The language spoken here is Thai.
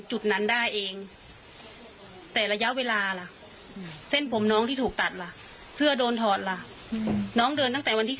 ช่วงเวลานั้นมันกี่ชั่วโมงเด็กไปได้ไหม